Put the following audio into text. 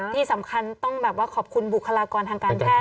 ที่สำคัญต้องแบบว่าขอบคุณบุคลากรทางการแพทย